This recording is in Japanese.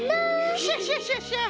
クシャシャシャシャ！